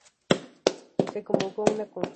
Se convocó una consulta.